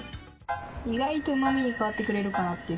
意外とうまみに変わってくれるかなっていう。